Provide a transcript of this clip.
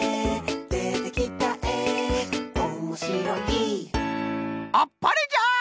「でてきたえおもしろい」あっぱれじゃ！